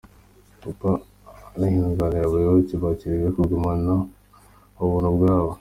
Papa arihanangiriza abayoboke ba kiriziya kugumana Ubuntu bwabo